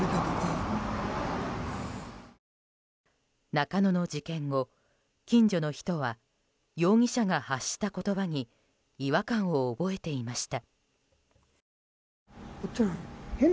中野の事件後、近所の人は容疑者が発した言葉に違和感を覚えていました。